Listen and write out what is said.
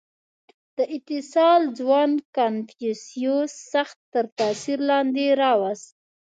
• دې اتصال ځوان کنفوسیوس سخت تر تأثیر لاندې راوست.